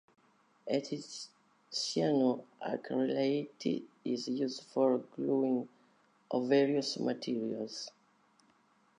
Ethyl cyanoacrylate is used for gluing of various materials.